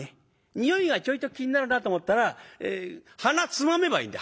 においがちょいと気になるなと思ったらえ鼻つまめばいいんだ。